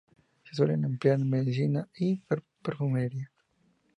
Se suelen emplear en medicina y perfumería.